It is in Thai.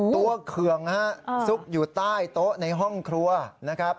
เคืองฮะซุกอยู่ใต้โต๊ะในห้องครัวนะครับ